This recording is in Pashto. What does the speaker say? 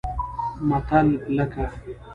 متل لکه